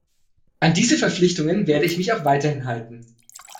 An diese Verpflichtungen werde ich mich auch weiterhin halten.